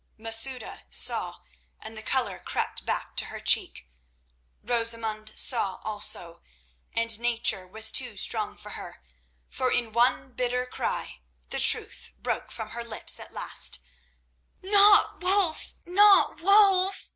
Masouda saw, and the colour crept back to her cheek. Rosamund saw also, and nature was too strong for her, for in one bitter cry the truth broke from her lips at last: "Not Wulf! Not Wulf!"